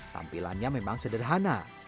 tampilannya memang sederhana